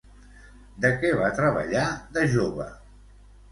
De què va treballar de jove?